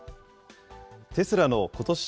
テスラのことし